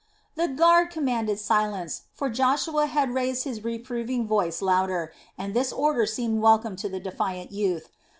The guard commanded silence, for Joshua had raised his reproving voice louder, and this order seemed welcome to the defiant youth.